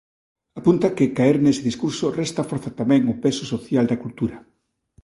Apunta que caer nese discurso resta forza tamén ao peso social da cultura.